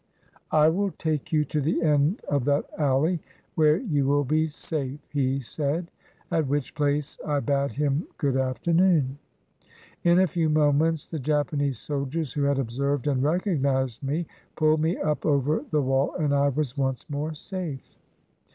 "I will take you to the end of that alley, where you will be safe," he said, at which place I bade him good afternoon. In a few moments the Japanese soldiers, who had observed and recognized me, pulled me up over the wall, and I was once more safe.